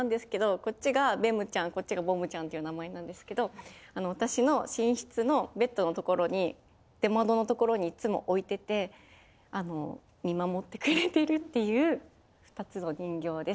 こっちがレムちゃんこっちがボムちゃんっていう名前なんですけど私の寝室のベッドのところに出窓のところにいっつも置いててあの見守ってくれてるっていう２つの人形です。